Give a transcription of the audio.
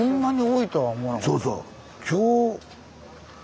そうそう。